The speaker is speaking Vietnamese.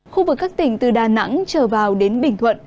khu vực các tỉnh từ đà nẵng trở vào đến bình thuận